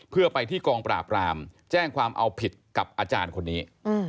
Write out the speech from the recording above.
เพื่อไปที่กองปราบรามแจ้งความเอาผิดกับอาจารย์คนนี้